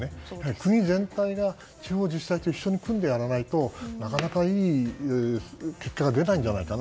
国全体が地方自治体と一緒に組んでやらないとなかなかいい結果が出ないんじゃないかな。